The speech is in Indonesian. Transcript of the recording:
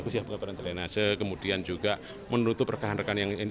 kemudian juga menutup rekan rekan yang ini